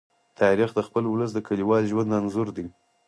تاریخ د خپل ولس د کلیوال ژوند انځور دی.